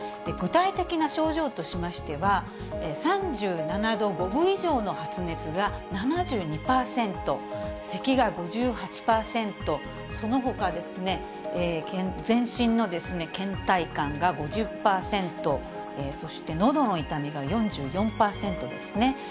具体的な症状としましては、３７度５分以上の発熱が７２％、せきが５８％、そのほかですね、全身のけん怠感が５０％、そしてのどの痛みが４４％ですね。